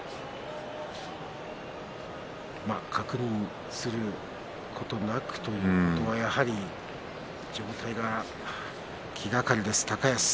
確認することなくとはやはり状態が気がかりです、高安。